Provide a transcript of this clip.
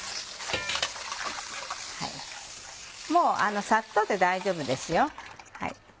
もうサッとで大丈夫ですよ。